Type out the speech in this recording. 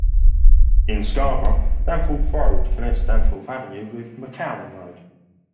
In Scarborough, Danforth Road connects Danforth Avenue with McCowan Road.